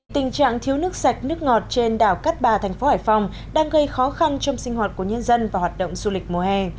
tình trạng thiếu nước sạch nước ngọt trên đảo cát bà thành phố hải phòng đang gây khó khăn trong sinh hoạt của nhân dân và hoạt động du lịch mùa hè